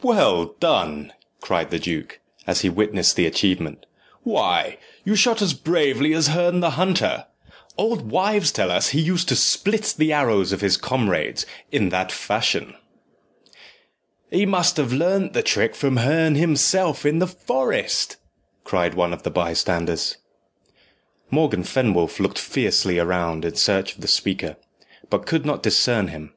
"Well done!" cried the duke, as he witnessed the achievement; "why, you shoot as bravely as Herne the Hunter. Old wives tell us he used to split the arrows of his comrades in that fashion." "He must have learnt the trick from Herne himself in the forest," cried one of the bystanders. Morgan Fenwolf looked fiercely round in search of the speaker, but could not discern him.